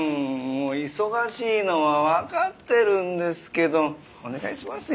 忙しいのはわかってるんですけどお願いしますよ。